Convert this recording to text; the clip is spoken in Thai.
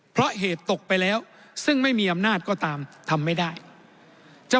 เพราะเหตุตกไปแล้วซึ่งไม่มีอำนาจก็ตามทำไม่ได้จะ